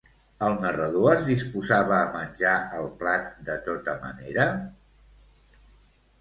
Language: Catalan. El narrador es disposava a menjar el plat de tota manera?